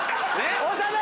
長田。